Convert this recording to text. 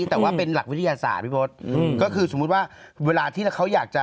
แต่ว่าเป็นหลักวิทยาศาสตร์พี่พศก็คือสมมุติว่าเวลาที่เขาอยากจะ